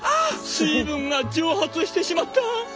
水分が蒸発してしまった！